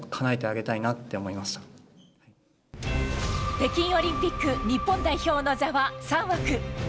北京オリンピック日本代表の座は３枠。